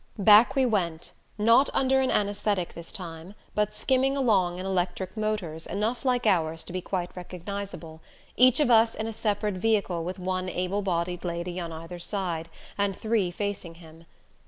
Back we went, not under an anesthetic this time but skimming along in electric motors enough like ours to be quite recognizable, each of us in a separate vehicle with one able bodied lady on either side and three facing him.